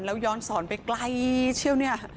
แล้วย้อนสอนไปไกลเชี่ยวเนี่ย